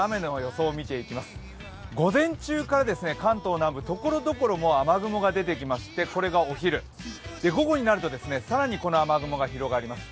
午前中から関東南部、ところどころ雨雲が出てきましてこれがお昼、午後になると、更にこの雨雲が広がります。